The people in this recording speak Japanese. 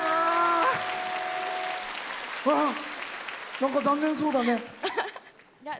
なんか、残念そうだね。